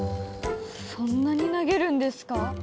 そんなになげるんですか？